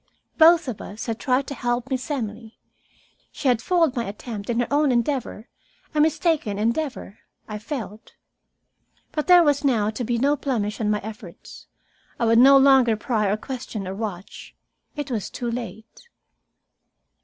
Both of us had tried to help Miss Emily. She had foiled my attempt in her own endeavor, a mistaken endeavor, I felt. But there was now to be no blemish on my efforts. I would no longer pry or question or watch. It was too late.